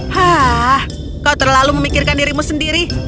hah kau terlalu memikirkan dirimu sendiri